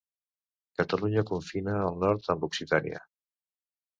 Catalunya confina al nord amb Occitània.